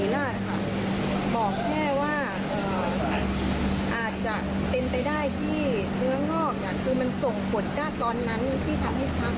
ลองไปได้ที่เมืองนอกอย่างคือมันส่งผลได้ตอนนั้นที่ทำให้ชัม